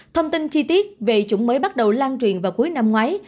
thông tin chi tiết về chủng mới bắt đầu lan truyền vào cuối năm ngoái